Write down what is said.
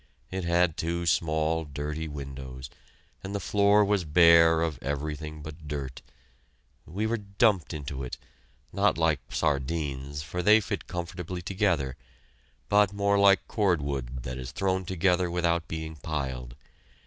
It had two small, dirty windows, and the floor was bare of everything but dirt. We were dumped into it not like sardines, for they fit comfortably together, but more like cordwood that is thrown together without being piled.